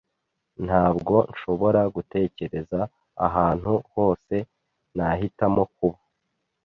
Ntabwo nshobora gutekereza ahantu hose nahitamo kuba.